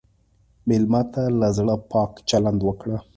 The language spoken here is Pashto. مېلمه ته له زړه پاک چلند وکړه.